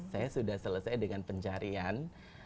saya sudah selesai dengan pencarian